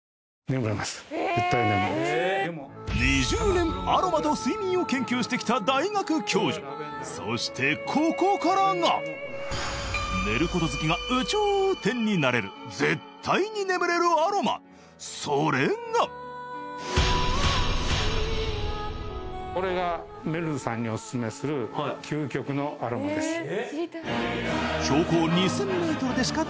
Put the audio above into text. ２０年アロマと睡眠を研究してきた大学教授そしてここからが寝ること好きが有頂天になれる絶対に眠れるアロマそれがこれがめるるさんにめるるさんさあこちらがですね